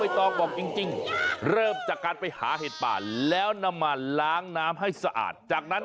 เห็นอย่างนี้หาทานยากมานะจ๊ะ